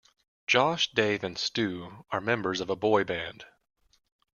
Josh, Dave and Stu are members of a boy band.